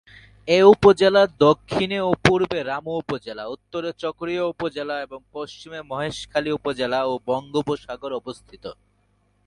এ উপজেলার দক্ষিণে ও পূর্বে রামু উপজেলা, উত্তরে চকরিয়া উপজেলা এবং পশ্চিমে মহেশখালী উপজেলা ও বঙ্গোপসাগর অবস্থিত।